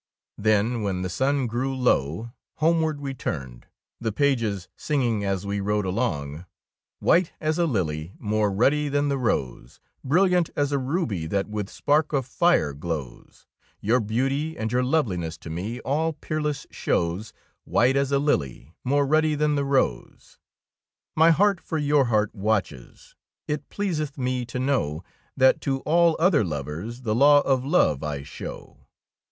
Then, when the sun grew low, home ward we turned, the pages singing as we rode along, — White as a lily, more ruddy than the rose, Brilliant as a ruby that with spark of fire glows, Your beauty and your loveliness to me all peerless shows, White as a lily, more ruddy than the rose. My heart for your heart watches ; it pleaseth me to know That to all other lovers the law of love I show.